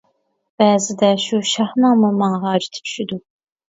بەزىدە شۇ شاھنىڭمۇ ماڭا ھاجىتى چۈشىدۇ.